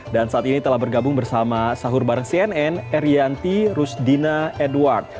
dan saat ini telah bergabung bersama sahur barang cnn erianti rusdina edward